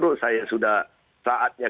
suka seperti itu